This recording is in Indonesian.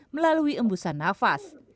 melalui embusan nafas